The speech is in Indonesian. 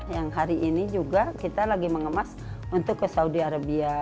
yang hari ini juga kita lagi mengemas untuk ke saudi arabia